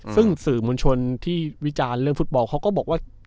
ซึ่งสื่อมวลชนที่วิจารณ์เรื่องฟุตบอลเขาก็บอกว่า